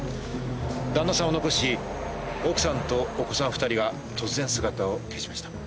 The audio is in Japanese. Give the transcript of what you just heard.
旦那さんを残し、奥さんとお子さん２人が突然、姿を消しました。